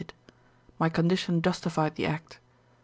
My condition justified the act.